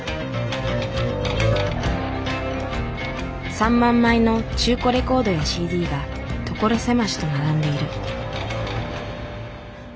３万枚の中古レコードやＣＤが所狭しと並んでいる。